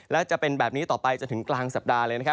และจะเป็นแบบนี้ต่อไปจนถึงกลางสัปดาห์เลยนะครับ